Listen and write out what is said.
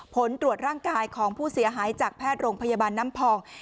ผลตรวจร่างกายของผู้เสียหายจากแพทย์โรงพยาบาลน้ำพอง